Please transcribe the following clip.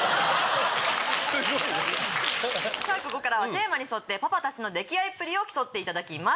さぁここからはテーマに沿ってパパたちの溺愛っぷりを競っていただきます。